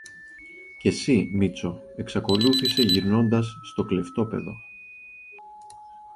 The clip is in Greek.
Και συ, Μήτσο, εξακολούθησε γυρνώντας στο κλεφτόπαιδο